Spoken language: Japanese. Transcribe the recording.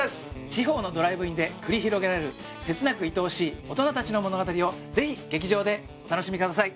地方のドライブインで繰り広げられる切なく愛おしい大人達の物語をぜひ劇場でお楽しみください